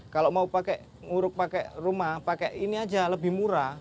kalau mau pakai nguruk pakai rumah pakai ini aja lebih murah